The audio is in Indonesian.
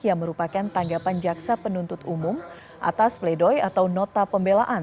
yang merupakan tanggapan jaksa penuntut umum atas pledoi atau nota pembelaan